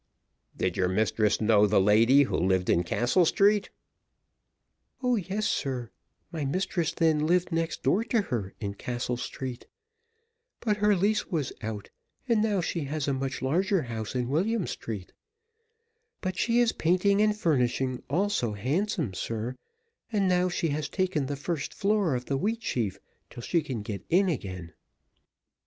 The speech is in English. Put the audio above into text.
"Did your mistress know the lady who lived in Castle Street?" "O yes, sir, my mistress then lived next door to her in Castle Street, but her lease was out, and now she has a much larger house in William Street, but she is painting and furnishing all so handsome, sir, and so now she has taken the first floor of the 'Wheatsheaf' till she can get in again."